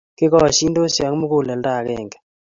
Kikashindosi ak muguleldo agenge